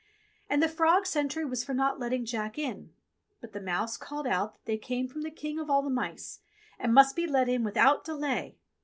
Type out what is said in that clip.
And the frog sentry was for not letting Jack in ; but the mouse called out that they came from the King of all the Mice and must be let in without delay.